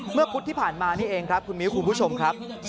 พุธที่ผ่านมานี่เองครับคุณมิ้วคุณผู้ชมครับ